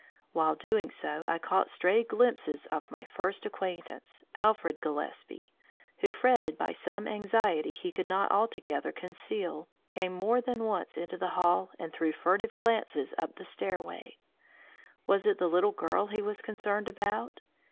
While doing so I caught stray glimpses of my first acquaintance, Alfred Gillespie, who, fretted by some anxiety he could not altogether conceal, came more than once into the hall and threw furtive glances up the stairway. Was it the little girl he was concerned about?